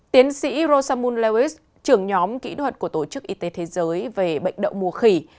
tiến sĩ rosamun lét trưởng nhóm kỹ thuật của tổ chức y tế thế giới về bệnh đậu mùa khỉ